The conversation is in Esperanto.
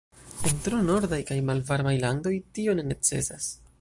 En tro nordaj kaj malvarmaj landoj, tio ne necesas.